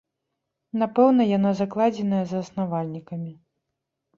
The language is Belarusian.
Напэўна, яна закладзеная заснавальнікамі.